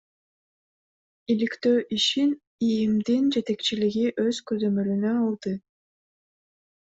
Иликтөө ишин ИИМдин жетекчилиги өз көзөмөлүнө алды.